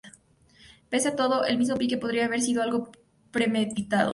Pese a todo, el mismo pique podría haber sido algo premeditado.